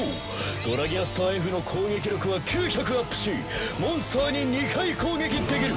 ドラギアスターＦの攻撃力は９００アップしモンスターに２回攻撃できる！